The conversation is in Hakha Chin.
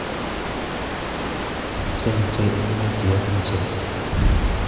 Cengceh in meiṭil kan ceh.